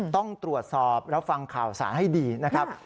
ต้องตรวจสอบแล้วฟังข่าวสารให้ดีนะครับ